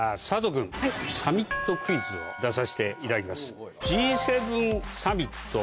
君サミットクイズを出させていただきます。